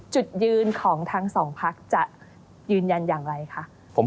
จุดยืนของทั้งสองพักจะยืนยันอย่างไรคะ